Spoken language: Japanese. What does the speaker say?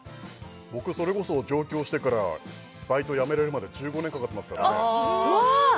僕それこそ上京してからバイト辞めれるまで１５年かかってますからねああ